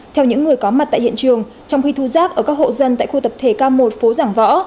theo những người có mặt tại hiện trường trong khi thu rác ở các hộ dân tại khu tập thể k một phố giảng võ